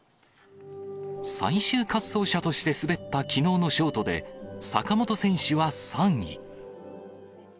最終滑走者として滑ったきのうのショートで、坂本選手は３位。